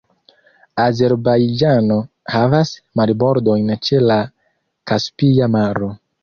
Azerbajĝano havas marbordojn ĉe la Kaspia Maro.